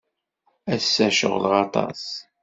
Ass-a, ceɣleɣ aṭas.